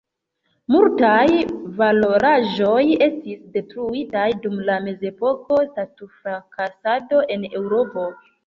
Multaj valoraĵoj estis detruitaj dum la mezepoka statufrakasado en Eŭropo.